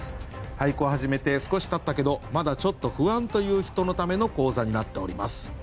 俳句を始めて少したったけどまだちょっと不安という人のための講座になっております。